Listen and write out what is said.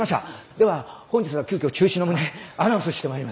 では本日は急遽中止の旨アナウンスしてまいります！